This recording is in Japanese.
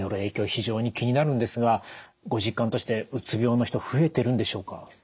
非常に気になるんですがご実感としてうつ病の人増えてるんでしょうか？